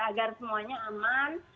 agar semuanya aman